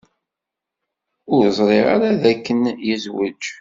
Ur ẓriɣ ara dakken yezwej.